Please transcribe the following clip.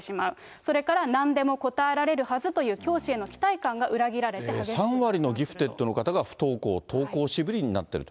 それからなんでも答えられるはずという教師への期待感が裏切られギフテッドの方が不登校、登校渋りになっていると。